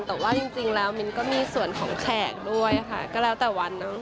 แต่ว่าจริงแล้วมิ้นก็มีส่วนของแขกด้วยค่ะก็แล้วแต่วันเนอะ